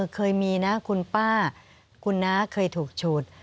เคยมีนะคุณป้าคุณน้าเคยถูกฉูด